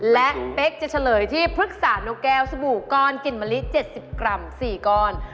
และเป๊กจะเฉลยที่พฤกษานกแก้วสบู่ก้อนกลิ่นมะลิ๗๐กรัม๔ก้อน